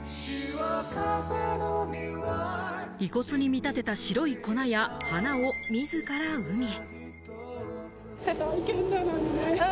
遺骨に見立てた白い粉や花を自ら海へ。